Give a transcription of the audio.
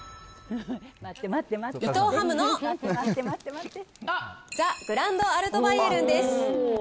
伊藤ハムの、ザ・グランドアルトバイエルンです。